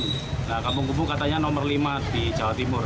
nah kampung kubu katanya nomor lima di jawa timur